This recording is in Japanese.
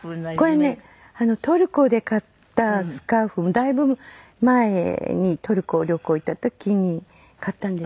これねトルコで買ったスカーフをだいぶ前にトルコ旅行行った時に買ったんですけど。